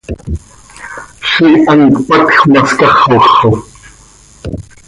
Ziix hant cpatj ma scaxoj xo!